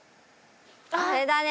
あれだね。